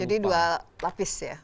jadi dua lapis ya